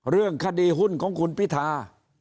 เรื่องคดีหุ้นของคุณพิธา